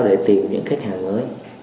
để tìm những khách hàng mới